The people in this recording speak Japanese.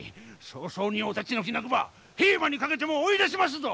早々にお立ち退きなくば兵馬にかけても追い出しますぞ！